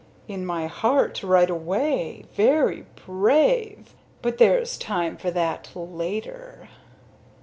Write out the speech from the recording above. "In my heart right away? Very brave. But there's time for that later."